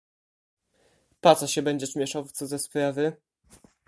"Po co się będziesz mieszał w cudze sprawy?"